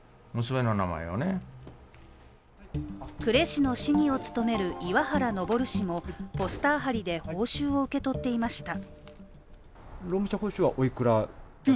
呉市の市議を務める岩原昇氏もポスター貼りで報酬を受け取っていました。